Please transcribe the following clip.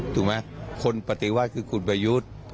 ถูกไหมคนปฏิวาสคือคุณประยุทธ์